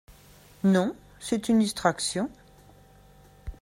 Non ; c'est une distraction.